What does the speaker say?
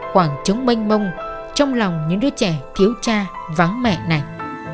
khoảng trống manh mông trong lòng những đứa trẻ thiếu cha vắng mẹ này